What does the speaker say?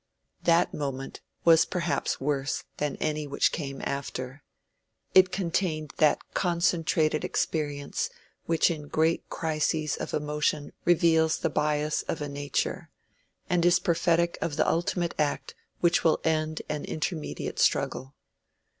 That moment was perhaps worse than any which came after. It contained that concentrated experience which in great crises of emotion reveals the bias of a nature, and is prophetic of the ultimate act which will end an intermediate struggle.